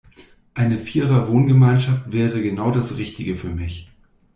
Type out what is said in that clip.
Eine Vierer-Wohngemeinschaft wäre genau das Richtige für mich.